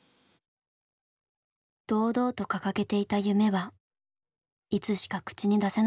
堂々と掲げていた夢はいつしか口に出せなくなっていました。